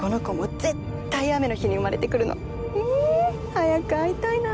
早く会いたいなぁ。